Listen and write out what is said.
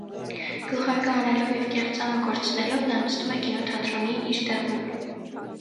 Գլխարկը հանելով և կեղծամը կորցնելով՝ նա նստում է կինոթատրոնի իր տեղում։